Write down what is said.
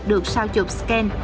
được sao chụp scan